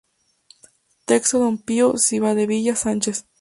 Texto Don Pio Cimadevilla Sanchez.